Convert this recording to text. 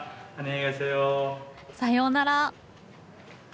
さようなら。